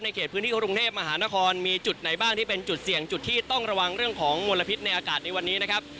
เขตพื้นที่กรุงเทพมหานครมีจุดไหนบ้างที่เป็นจุดเสี่ยงจุดที่ต้องระวังเรื่องของมลพิษในอากาศในวันนี้นะครับ